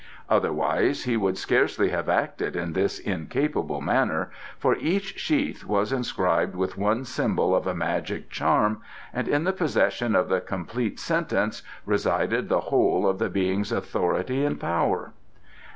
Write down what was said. Otherwise he would scarcely have acted in this incapable manner, for each sheath was inscribed with one symbol of a magic charm and in the possession of the complete sentence resided the whole of the Being's authority and power.